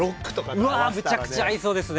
うわめちゃくちゃ合いそうですね！